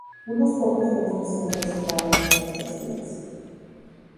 Unos pocos de estos se han conservado hasta nuestros días.